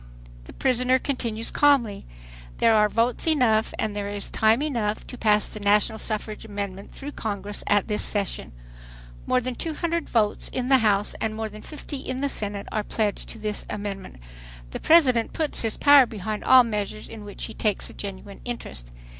The prisoner continues calmly: "There are votes enough and there is time enough to pass the national suffrage amendment through Congress at this session. More than 200 votes in the House and more than 50 in the Senate are pledged to this amendment. The President puts his power behind all measures in which he takes a genuine interest.